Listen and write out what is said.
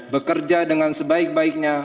bekerja dengan sebaik baiknya